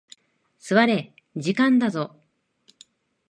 座れ、時間だぞ。